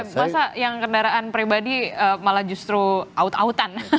masa yang kendaraan pribadi malah justru aut outan